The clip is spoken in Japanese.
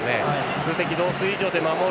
数的同数以上で守る。